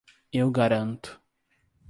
Eu garanto